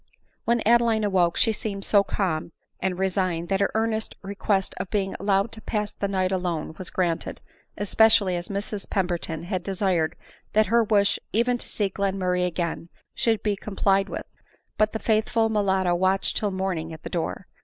When Adeline awoke, she seemed so calm and resign ed, that her earnest request of being allowed to pass the night alone was granted, especially as Mrs Pemberton had desired that her wish even to see Glenmurray again, should be complied with ; but the faithful mulatto watched till morning at the door.